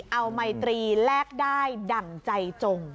เอาไมตรีแลกได้ดั่งใจจง